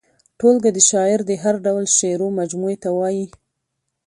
ټولګه د شاعر د هر ډول شعرو مجموعې ته وايي.